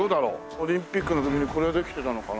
オリンピックの時にこれはできてたのかな？